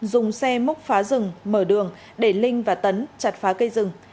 dùng xe móc phá rừng mở đường để linh và tấn chặt phá cây rừng